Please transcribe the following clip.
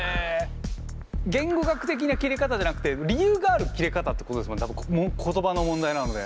言語学的な切れ方じゃなくて理由がある切れ方ってこと言葉の問題なので。